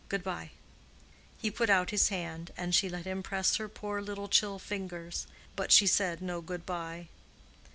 Good bye." He put out his hand, and she let him press her poor little chill fingers; but she said no good bye.